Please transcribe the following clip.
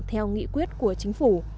theo nghị quyết của chính phủ